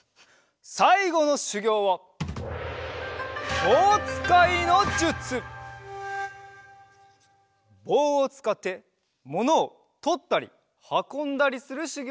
さいごのしゅぎょうはぼうをつかってものをとったりはこんだりするしゅぎょうでござる。